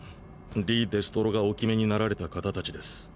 リ・デストロがお決めになられた方達です。